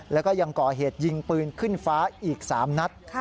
แล้วก็ยังก่อเหตุยิงปืนขึ้นฟ้าอีก๓นัด